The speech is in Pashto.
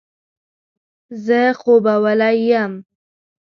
زه خوبولی یم.